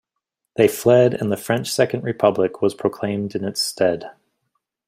They fled and the French Second Republic was proclaimed in its stead.